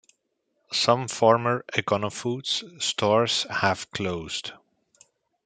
Some former Econofoods stores have closed.